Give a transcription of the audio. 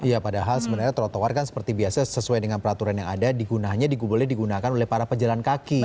iya padahal sebenarnya trotoar kan seperti biasa sesuai dengan peraturan yang ada digunakan oleh para pejalan kaki